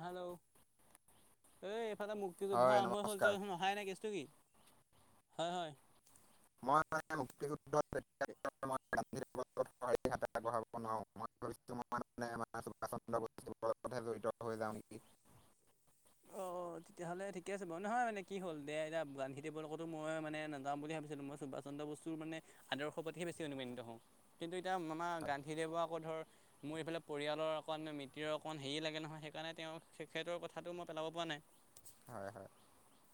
Hello, এই এইফালে মুক্তিযুদ্ধ হয় আৰম্ভ হ'ল। নমস্কাৰ তই নাই, নাই, কেছটো কি হয়? হয়, হয়। মই মানে মুক্তিযুদ্ধ [inaudible] [inaudible] ভাত বনাওঁ। [inaudible] [inaudible] [unintelligible] জড়িত হৈ যাওঁ নেকি। অ' [inaudible] তেতিয়াহ'লে ঠিকে আছে বাৰু নহয় মানে কি হ'ল দে এতিয়া গান্ধীদেৱৰ লগতো মই মানে নাযাম বুলি ভাবিছিলোঁ। মই চব পচন্দ বস্তুৰ মানে আদৰ্শ প্ৰতিহে বেছি হওঁ। কিন্তু, এতিয়া মামা হয় গান্ধীদেৱক আকৌ ধৰ মোৰ এইফালে পৰিয়ালৰ অকণ মিতিৰৰ অকণ হেৰি লাগে নহয়। সেইকাৰণে তেওঁ তেখেতৰ কথাটো মই পেলাব পৰা নাই। হয় হয়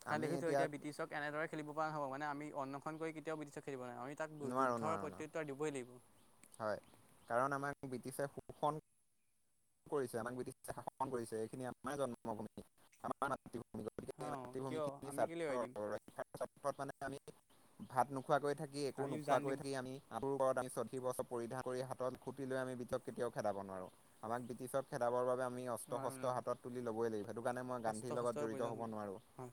কাৰণ দেখিছোঁ এতিয়া ব্ৰিটিছক কেনেদৰে খেলিব পৰা হ'ব মানে আমি অনশন কৰিবলৈ কেতিয়াও বিশ্ব খেলিব নোৱাৰি। আমি তাক নোৱাৰোঁ যুদ্ধৰ নোৱাৰোঁ নোৱাৰোঁ প্ৰত্যুত্তৰ দিবই লাগিব। হয়। কাৰণ আমাক ব্ৰিটিছে শোষণ কৰিছে। আমাক ব্ৰিটিছে শাসন কৰিছে। এইখিনি আমাৰ জন্মভূমি আমাৰ মাতৃভূমি গতিকে এই অ' মাতৃ কিয় ভূমিখিনি আমি কেলে স্বাৰ্থ এৰি দিম [unintelligible] মানে আমি ভাত নোখোৱাকৈ থাকি একো আমি জান নোখোৱাকৈ দিব থাকি আমি [unintelligible] বছৰ পৰিধান কৰি হাতত খুটি লৈ আমি [unintelligible] কেতিয়াও খেদাব নোৱাৰোঁ। আমাক ব্ৰিটিছক খেদাবৰ বাবে আমি অস্ত্ৰ নোৱাৰোঁ নোৱাৰোঁ। শস্ত্ৰ হাতত তুলি ল'বই লাগিব। সেইটো কাৰণে মই অস্ত্ৰ গান্ধীৰ লগত শস্ত্ৰৰ জড়িত প্ৰয়োজন হ'ব নোৱাৰো। হয়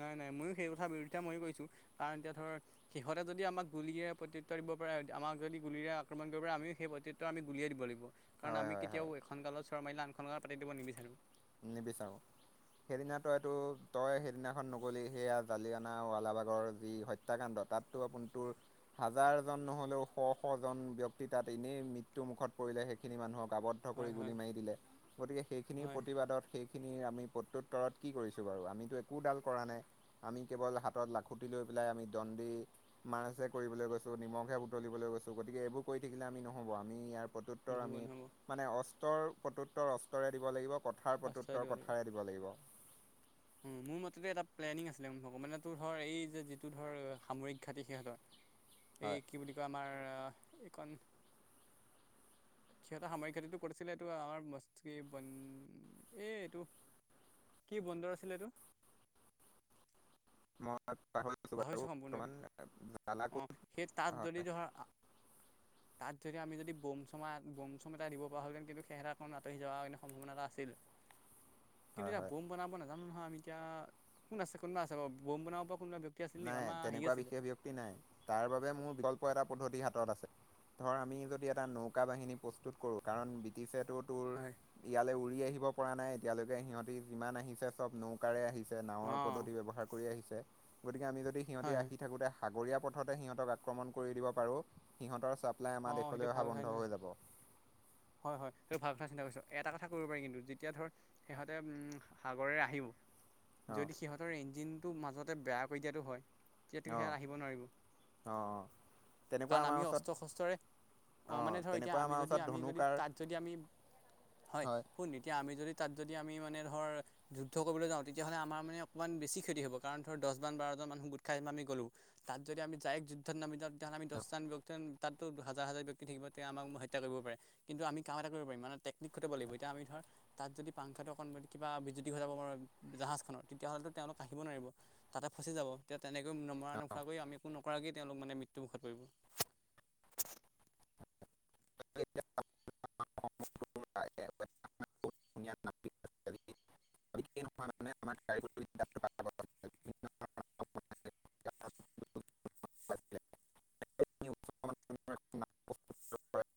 নাই নাই। ময়ো সেই কথা বিৰোধিতা ময়ো কৰিছো। কাৰণ এতিয়া ধৰ সিহঁতে যদি আমাক গুলীৰে প্ৰত্যুত্তৰ দিব পাৰে। আমাক যদি গুলীৰে আক্ৰমণ কৰিব পাৰে আমিও আমি গুলিয়াই দিব লাগিব। কাৰণ হয় আমি হয় হয় কেতিয়াও এখন গালত চৰ মাৰিলে আনখন গালত পাতি দিব নিবিচাৰো। নিবিচাৰো। সেইদিনা তইতো তই সেইদিনাখন নগ'লি। হেয়া, জালিয়ানা ৱালাবাগৰ যি হত্যাকাণ্ড। তাতো আপোন তোৰ হাজাৰজন নহ'লেও [unintelligible] ব্যক্তি তাত এনেই মৃত্যুমুখত পৰিলে। সেইখিনি মানুহক [unintelligible] কৰি হয় গুলি হয় মাৰি দিলে। গতিকে সেইখিনি হয় সেইখিনি আমি প্ৰত্যুত্তৰত কি কৰিছোঁ বাৰু। আমিতো একোডাল কৰা নাই। আমি কেৱল হাতত লাখুটি লৈ পেলাই আমি দমদি [unintelligible] কৰিবলৈ গৈছোঁ। নিমখহে বুটলিবলৈ গৈছো। গতিকে এইবোৰ কৰি থাকিলে আমি নহ'ব। আমি ইয়াৰ প্ৰত্যুত্তৰ নহ'ব আমি নহ'ব মানে অস্ত্ৰৰ প্ৰত্যুত্তৰ অস্ত্ৰৰে দিব লাগিব। কথাৰ আশ্ৰয় প্ৰত্যুত্তৰ দিব লাগিব। কথাৰে দিব লাগিব। মোৰ মতেটো, এটা প্লেনিং আছিলে। [unintelligible] মানে, তোৰ ধৰ, এই যে যিটো ধৰ, সামৰিক ঘাটি, সিহঁতৰ [inaudible] এই কি বুলি কয়, আমাৰ এইকণ। সিহঁতৰ সামৰিক ঘাটিটো, ক'ত আছিলে। এইটো, আমাৰ, [unintelligible] এই, এইটো কি বন্দৰ আছিলে এইটো। মই পাহ। পাহৰিছোঁ সম্পূৰ্ণকে ক'ত অঁ সেই তাঁত হয় যদি ধৰা। [unintelligible] তাত যদি আমি যদি বম চম বম চম এ দিব পৰা হ'লহঁতেন কিন্তুেৰাৰণ আঁতৰি যোৱা এ সম্ভাৱনা এটা আছিল। [unintelligible] কিন্তু এতিয়া বম বনাব নাজানো নহয় আমি এতিয়া কোন আছে কোনোবা আছে বাৰ বম বনাব পৰা কোনবা? নাই তেনেকুৱা বিশেষ ব্যক্তি নাই তাৰ বাবে মোৰ বিকল্প এটা পদ্ধতি হাতত আছে। ধৰ আমি যদি এটা নৌকা বাহিনী প্ৰস্তুত কৰোঁ কাৰণ। পতিছেতো তোৰ হয় ইয়ালৈ উৰি আহিব পৰা নাই এতিয়ালৈকে সিহঁতি যিমান আহিছে চব ন। ককাৰে আহিছে নাৱৰ অঁ পদ্ধতি ব্যৱহাৰ কৰি আহিছে গতিকে আমি যদি সিহঁতি হয় হয় আহি থাকোঁতে। সাগৰীয়া পথতে সিহঁতক আক্ৰমণ কৰি দিব পাৰোঁ সিহঁতৰ ছাপ্লাই আমাৰ অঁ সেইটো দেশলৈ অহা ভাল কথা বন্ধ চিন্তা হৈ যাব। হয় হয় সেইটো ভাল কথা চিন্তা কৰিছো এটা কথা কৰিব পাৰি কিন্তু যেতিয়া ধৰ। সিহঁতে উম সাগৰেৰে আহিব। অঁ যদি সিহঁতৰ ইঞ্জিনটো মাজতে বেয়া কৰি দিয়াটো হয়। তোতুকে অঁ সেয়া আহিব নোৱাৰিব অঁ অঁ তেনেকুৱা কাৰণ আমাৰ আমি ওচৰত অস্ত্ৰ শস্ত্ৰৰে। অ মানে ধৰ এতিয়া তেনেকুৱা আমি আমাৰ যদি ওচৰত আমি যদি ধনুকাৰ তাত যদি আমি হয়। শুন এতিয়া আমি যদি তাত যদি আমি মানে ধৰ। যুদ্ধ কৰিবলৈ যাওঁ তেতিয়াহলে আমাৰ মানে অকণমান বেছি ক্ষতি হ'ব কাৰণ ধৰ দহজন বাৰজন মানু গোট খাই আমি গ'লো। তাত যদি আমি যায়ক যুদ্ধৰ নামি যাও। তাত আমি দজন ব্যক্ত তাতো হাজাৰ হাজাৰ ব্যক্তি থাকিব তেতিয়া আমাক হত্যা কৰিব পাৰে। কিন্তু আমি কাম এটা কৰিব পাৰিম মানে টেকনিক খটিব লাগিব এতি আমি ধৰ। তাত যদি পাংখটো অকণ কিবা বিজ্যুতি হৈ যাব প জাহাজ খনৰ তেতিয়াাহ'লে তেওঁলোক আহিব নোৱাৰিব। তাতে ফচি যাব তেতিয়া তেনেকৈ নমৰা নোখৰা কৰি আমি একো নকৰাক তেওঁলোক মানে মৃত্যু মুখত পৰিব। [unintelligible] ধনয়ে আমাৰ।